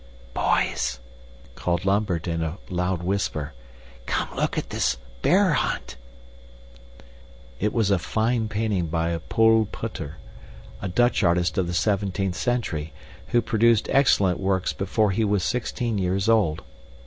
"Boys!" called Lambert in a loud whisper, "come look at this 'Bear Hunt.'" It was a fine painting by Paul Potter, a Dutch artist of the seventeenth century, who produced excellent works before he was sixteen years old.